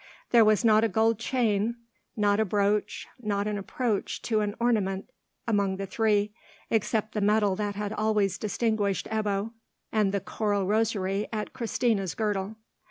There was not a gold chain, not a brooch, not an approach to an ornament among the three, except the medal that had always distinguished Ebbo, and the coral rosary at Christina's girdle.